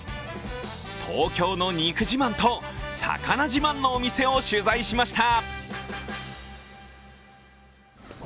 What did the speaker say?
東京の肉自慢と魚自慢のお店を取材しました。